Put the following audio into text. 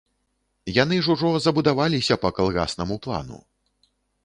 Яны ж ужо забудаваліся па калгаснаму плану.